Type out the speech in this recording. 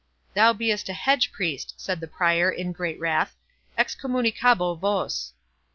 "Thou be'st a hedge priest," 46 said the Prior, in great wrath, "'excommunicabo vos'."